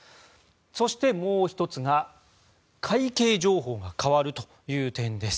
そして、もう１つが会計情報が変わるという点です。